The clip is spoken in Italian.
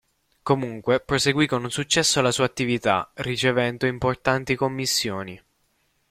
Comunque, proseguì con successo la sua attività, ricevendo importanti commissioni.